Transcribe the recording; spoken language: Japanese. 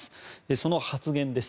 その発言です。